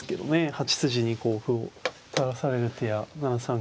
８筋に歩を垂らされる手や７三桂は。